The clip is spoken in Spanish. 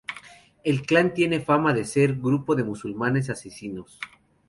El clan tiene fama de ser un grupo de musulmanes asesinos.